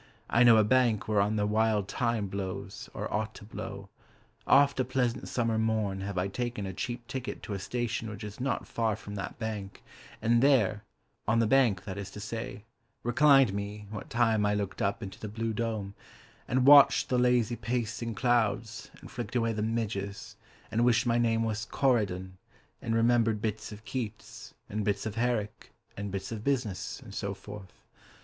I know a bank Whereon the wild thyme blows (Or ought to blow): Oft of a pleasant summer morn Have I taken a cheap ticket To a station which is not far from that bank, And there (on the bank, that is to say) reclined me What time I looked up into the blue dome, And watched the lazy pacing clouds, And flicked away the midges, And wished my name was Corydon, And remembered bits of Keats And bits of Herrick And bits of business, And so forth.